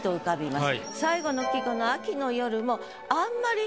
最後の季語の「秋の夜」もあんまり。